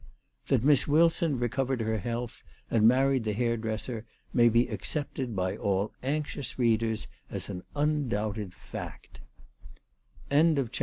That Miss Wilson recovered her health and married the hairdresser may be accepted by all anxious readers as an undoubted fact.